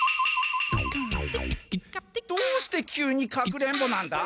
どうして急にかくれんぼなんだ？